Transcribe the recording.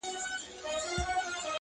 کومه ورځ چي تاته زه ښېرا کوم;